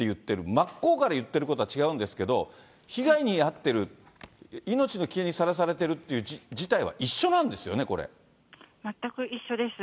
真っ向から言っていることは違うんですけど、被害に遭っている、命の危険にさらされているっていう事態は一緒なんですよね、全く一緒です。